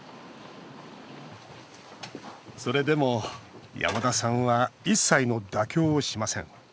それでも、山田さんは一切の妥協をしません。